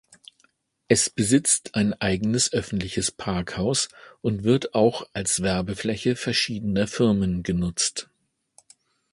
Es besitzt ein eigenes öffentliches Parkhaus und wird auch als Werbefläche verschiedener Firmen genutzt.